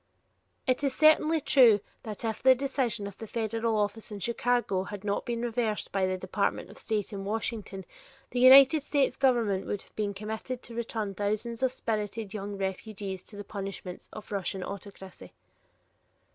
It is certainly true that if the decision of the federal office in Chicago had not been reversed by the department of state in Washington, the United States government would have been committed to return thousands of spirited young refugees to the punishments of the Russian autocracy.